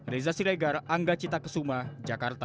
reza siregar angga cita kesuma jakarta